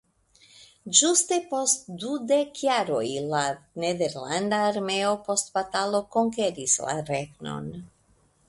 Ĝuste post du dek jaroj la nederlanda armeo post batalo konkeris la regnon.